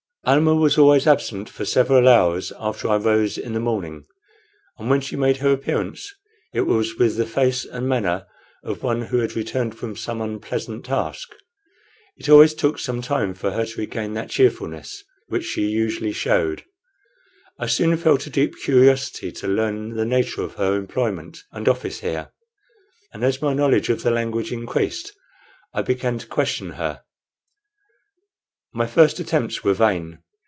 Almah was always absent for several hours after I rose in the morning, and when she made her appearance it was with the face and manner of one who had returned from some unpleasant task. It always took some time for her to regain that cheerfulness which she usually showed. I soon felt a deep curiosity to learn the nature of her employment and office here, and as my knowledge of the language increased I began to question her. My first attempts were vain.